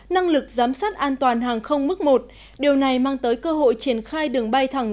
năng lực giám sát an toàn hàng không mức một điều này mang tới cơ hội triển khai đường bay thẳng